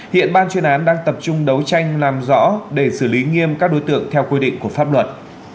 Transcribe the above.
hiện ban chuyên án đang tập trung đấu tranh làm rõ để xử lý nghiêm các đối tượng theo quy định của pháp luật